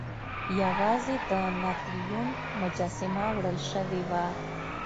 یوازې د ناپلیون مجسمه وړل شوې وه.